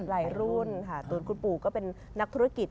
หลายรุ่นค่ะตัวคุณปู่ก็เป็นนักธุรกิจ